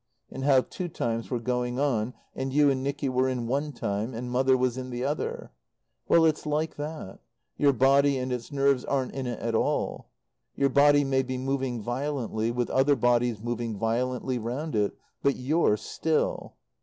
And how two times were going on, and you and Nicky were in one time, and Mother was in the other? Well it's like that. Your body and its nerves aren't in it at all. Your body may be moving violently, with other bodies moving violently round it; but you're still.